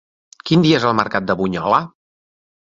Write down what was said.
Quin dia és el mercat de Bunyola?